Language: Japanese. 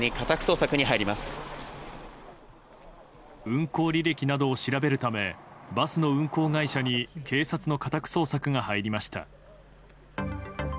運行履歴などを調べるためバスの運行会社に警察の家宅捜索が入りました。